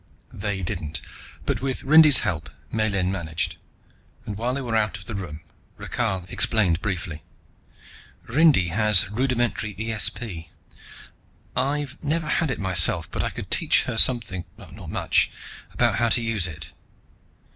They didn't, but with Rindy's help Miellyn managed, and while they were out of the room Rakhal explained briefly. "Rindy has rudimentary ESP. I've never had it myself, but I could teach her something not much about how to use it.